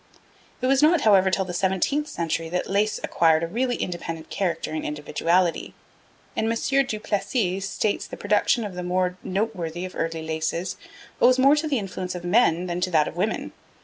It was not, however, till the seventeenth century that lace acquired a really independent character and individuality, and M. Duplessis states that the production of the more noteworthy of early laces owes more to the influence of men than to that of women.